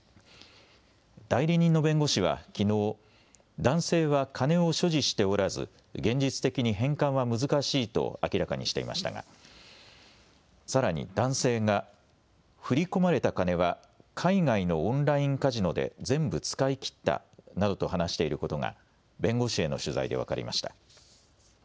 代理人の弁護士はきのう、男性は金を所持しておらず現実的に返還は難しいと明らかにしていましたがさらに男性が振り込まれた金は海外のオンラインカジノで全部使い切ったなどと話していることが弁護士への取材で分かりました。